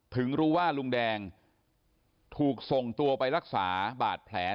ถึงรู้ว่าลุงแดงถูกส่งตัวไปรักษาบาดแผล